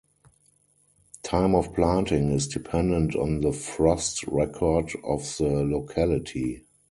Time of planting is dependent on the frost record of the locality.